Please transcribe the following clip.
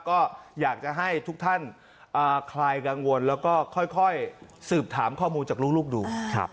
ก็อยากจะให้ทุกท่านคลายกังวลแล้วก็ค่อยสืบถามข้อมูลจากลูกดู